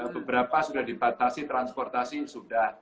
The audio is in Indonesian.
beberapa sudah dibatasi transportasi sudah